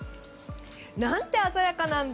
何て鮮やかなんだ。